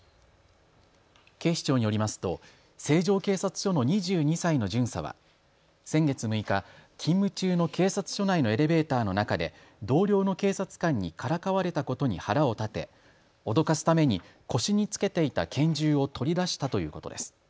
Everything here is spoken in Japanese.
警視庁によりますと成城警察署の２２歳の巡査は先月６日、勤務中の警察署内のエレベーターの中で同僚の警察官にからかわれたことに腹を立て脅かすために腰に着けていた拳銃を取り出したということです。